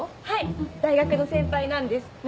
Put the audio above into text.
はい大学の先輩なんです。